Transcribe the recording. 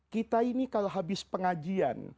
kita ini kalau habis pengajian